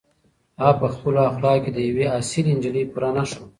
هغه په خپلو اخلاقو کې د یوې اصیلې نجلۍ پوره نښه وه.